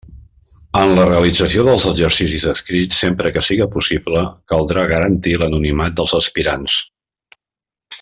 En la realització dels exercicis escrits, sempre que siga possible, caldrà garantir l'anonimat dels aspirants.